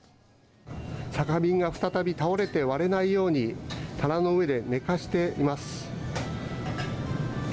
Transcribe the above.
酒瓶が再び倒れて割れないように、棚の上で寝かせています。